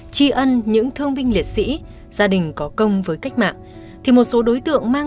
tri ân những thương binh liệt sĩ gia đình có công với cách mạng thì một số đối tượng mang